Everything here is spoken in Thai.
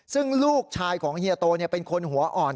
ซึ่งลูกชายของเฮียโตเป็นคนหัวอ่อน